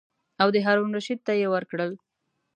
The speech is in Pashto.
او د هارون الرشید ته یې ورکړل.